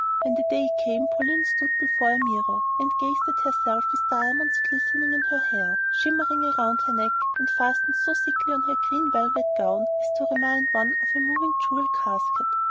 When the day came Pauline stood before a mirror and gazed at herself with diamonds glistening in her hair, shimmering around her neck, and fastened so thickly on her green velvet gown as to remind one of a moving jewel casket.